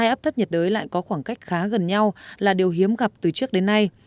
áp thấp nhiệt đới lại có khoảng cách khá gần nhau là điều hiếm gặp từ trước đến nay